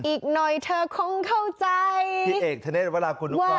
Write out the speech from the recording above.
อีกหน่อยเธอคงเข้าใจพี่เอกทะเนธวรากุลนุเคาะ